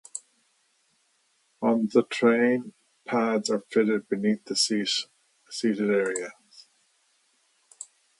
On the train, pads are fitted beneath the seating areas.